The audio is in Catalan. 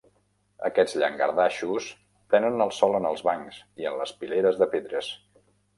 Aquests llangardaixos prenen el sol en els bancs i en les pileres de pedres.